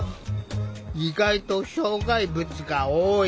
意外と障害物が多い。